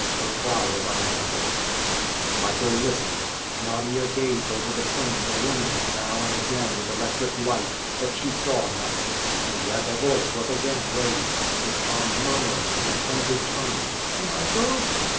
Her cry was unanswered. Michael listened. Nadia gazed over the plain illumined now and again with electric light, but she saw nothing. And yet a voice was again raised, this time murmuring in a plaintive tone, "Michael!"